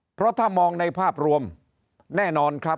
เพราะถ้ามองในภาพรวมแน่นอนครับ